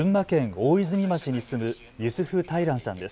大泉町に住むユスフ・タイランさんです。